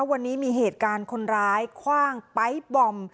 วันนี้มีเหตุการณ์คนร้ายคว่างไป๊บอม